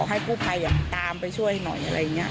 ให้กู้ภัยตามไปช่วยหน่อยอะไรอย่างนี้